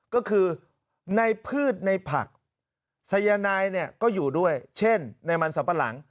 ก็คือในพืชในผักสายนายเนี่ยก็อยู่ด้วยเช่นในมันสัมปะหลัง